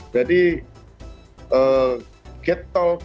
jadi getol getol ataupun